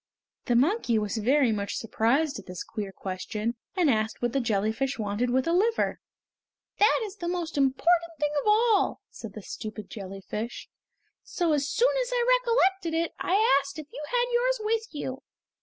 The monkey was very much surprised at this queer question, and asked what the jellyfish wanted with a liver. "That is the most important thing of all," said the stupid jellyfish, "so as soon as I recollected it, I asked you if you had yours with you?"